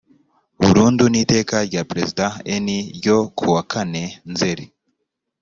burundu n iteka rya perezida n ryo ku wa kane nzeri